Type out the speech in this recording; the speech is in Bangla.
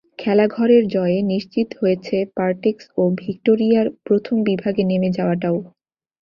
খেলাঘরের জয়ে নিশ্চিত হয়েছে পারটেক্স ও ভিক্টোরিয়ার প্রথম বিভাগে নেমে যাওয়াটাও।